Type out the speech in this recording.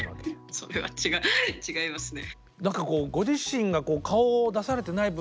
それは違いますね。